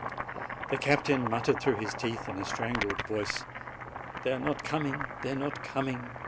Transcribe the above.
The captain muttered through his teeth, in a strangled voice, "They are not coming! they are not coming!"